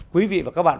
quý vị và các bạn